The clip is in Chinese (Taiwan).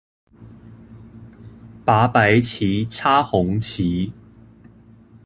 拔白旗、插紅旗